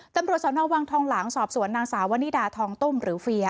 ตำรวจสนวังทองหลังสอบสวนนางสาววนิดาทองตุ้มหรือเฟียร์